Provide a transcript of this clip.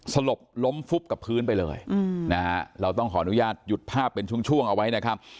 สลบล้มฟุบกับพื้นไปเลยนะฮะเราต้องขออนุญาตหยุดภาพเป็นช่วงเอาไว้นะครับ